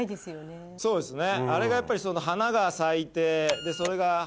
そうですね。